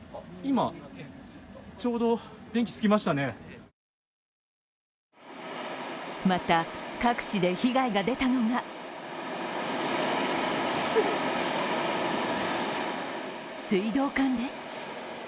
また、各地で被害が出たのが水道管です。